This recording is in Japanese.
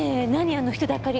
あの人だかり。